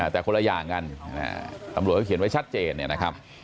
แต่คนละอย่างกันตำรวจเขาเขียนไว้ชัดเจนเนี่ยนะครับ